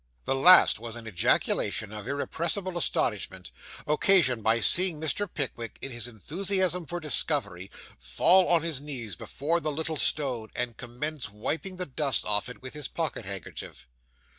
This last was an ejaculation of irrepressible astonishment, occasioned by seeing Mr. Pickwick, in his enthusiasm for discovery, fall on his knees before the little stone, and commence wiping the dust off it with his pocket handkerchief.